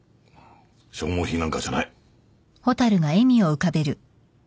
消耗品なんかじゃない。